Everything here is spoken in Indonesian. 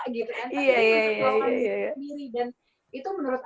tapi dia terus keluar ke sini sendiri